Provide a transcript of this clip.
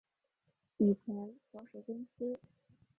以前所属公司